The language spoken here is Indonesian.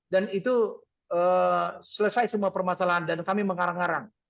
dan itu selesai semua permasalahan dan kami mengarang arang